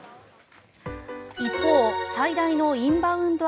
一方最大のインバウンド